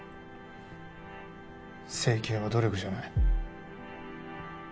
整形は努力じゃない。